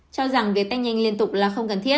cho rằng việc tăng nhanh liên tục là không cần thiết